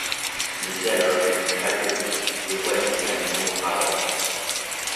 Les dialogues laconiques dévoilent ici un humour ravageur.